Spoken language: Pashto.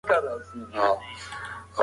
سهارنۍ د بدن ساعت ته سیګنال ورکوي.